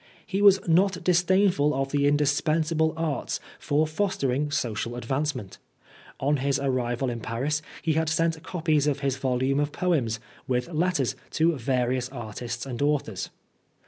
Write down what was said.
He was not disdainful of the indispensable arts for fostering social advancement On his arrival in Paris he had sent copies of his volume of poems, with letters, to various artists and authors.